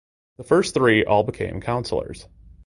The first three all became councilors.